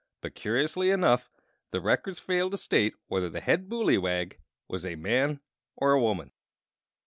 But, curiously enough, the Records fail to state whether the Head Booleywag was a man or a woman.